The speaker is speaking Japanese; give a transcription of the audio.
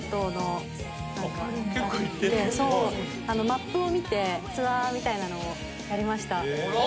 マップを見てツアーみたいなのをやりました。